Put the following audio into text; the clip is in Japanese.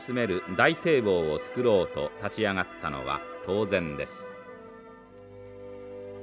大堤防を造ろうと立ち上がったのは当然です。